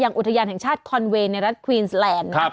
อุทยานแห่งชาติคอนเวย์ในรัฐควีนสแลนด์